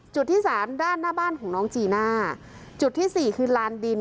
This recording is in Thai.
จุดที่สามด้านหน้าบ้านของน้องจีน่าจุดที่สี่คือลานดิน